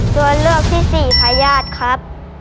ตัวเลือกที่สี่พญาติครับ